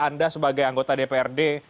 anda sebagai anggota dprd